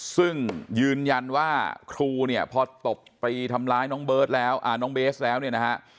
ซึ่งยืนยันว่าครูเนี่ยพอตบไปทำร้ายน้องเบิร์ตแล้วน้องเบสแล้วเนี่ยนะฮะ